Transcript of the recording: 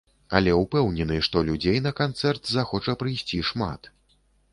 Але ўпэўнены, што людзей на канцэрт захоча прыйсці шмат.